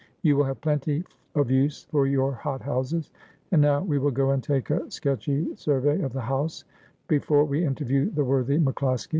You will have plenty of use for your hot houses. And now we will go and take a sketchy survey of the house, before we interview the worthy MacCloskie.